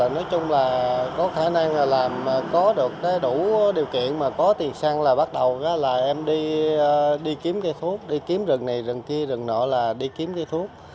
nói chung là có khả năng làm có được đủ điều kiện mà có tiền sang là bắt đầu là em đi kiếm cây thuốc đi kiếm rừng này rừng kia rừng nọ là đi kiếm cây thuốc